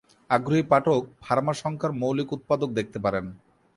আগ্রহী পাঠক ফার্মা সংখ্যার মৌলিক উৎপাদক দেখতে পারেন।